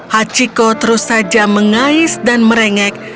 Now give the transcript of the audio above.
hachiko terus saja mengais dan merengek